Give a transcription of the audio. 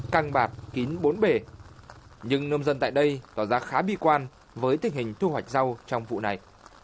căng bạt kín bốn bể nhưng nông dân tại đây tỏ ra khá bi quan với tình hình thu hoạch rau trong vụ này